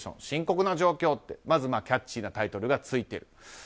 深刻な状況」とまず、キャッチーなタイトルがついている。